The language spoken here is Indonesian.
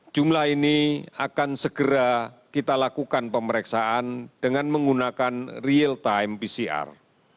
jumlah ini akan segera kita lakukan pemeriksaan dengan menggunakan real time pcr